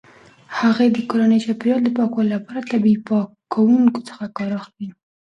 هغې د کورني چاپیریال د پاکوالي لپاره د طبیعي پاکونکو څخه کار اخلي.